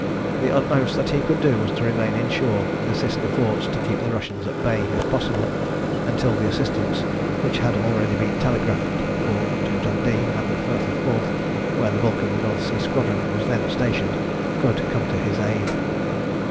The utmost that he could do was to remain inshore and assist the forts to keep the Russians at bay, if possible, until the assistance, which had already been telegraphed for to Dundee and the Firth of Forth, where the bulk of the North Sea Squadron was then stationed, could come to his aid.